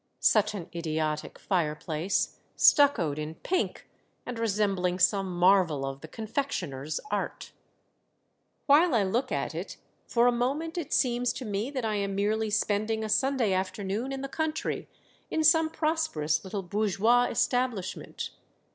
Such an idiotic fireplace, stuccoed in pink, and resembling some marvel of the confectioner's art ! While I look at it, for a moment it seems to me that I am merely spending a Sunday afternoon in the country in some prosperous little bour geois establishment.